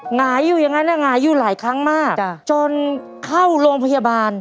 หงายอยู่อย่างนั้นหงายอยู่หลายครั้งมากจนเข้าโรงพยาบาล